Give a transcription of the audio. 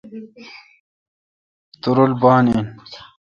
تورل بان این۔